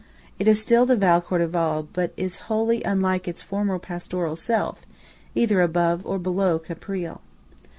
It is still the Val Cordevole, but is wholly unlike its former pastoral self either above or below Caprile.